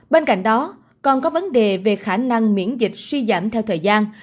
bên cạnh đó còn có vấn đề về khả năng miễn dịch suy giảm theo thời gian